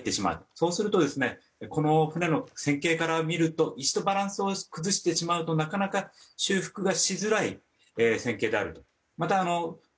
そうするとこの船の線形から見ると一度バランスを崩してしまうと、なかなか修復がしづらいものであると。